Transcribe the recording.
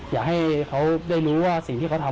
อยากให้เขาได้รู้ว่าสิ่งที่เขาทำ